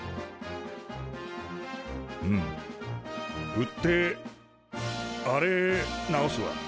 売ってあれ直すわ。